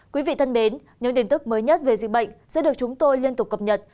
quý vị thân mến những tin tức mới nhất về dịch bệnh sẽ được chúng tôi liên tục cập nhật